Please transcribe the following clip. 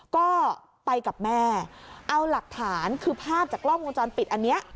ก็ไปกับแม่เอาหลักฐานคือภาพจากกล้องวงจรปิดอันนี้